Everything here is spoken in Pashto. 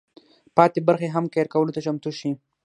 پاتې برخې هم قیر کولو ته چمتو شي.